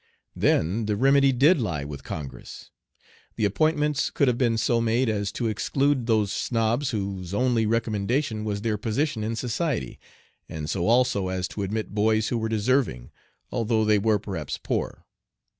Then the remedy did lie with Congress. The appointments could have been so made as to exclude those snobs whose only recommendation was their position in society, and so also as to admit boys who were deserving, although they were perhaps poor.